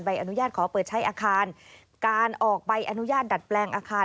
ใบอนุญาตขอเปิดใช้อาคาร